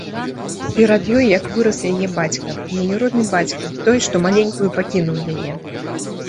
Перад ёй як вырас яе бацька, яе родны бацька, той, што маленькую пакінуў яе.